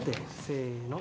せの！